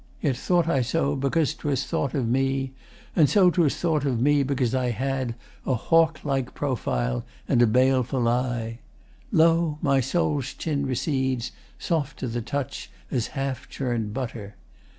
Yet thought I so because 'twas thought of me, And so 'twas thought of me because I had A hawk like profile and a baleful eye. Lo! my soul's chin recedes, soft to the touch As half churn'd butter.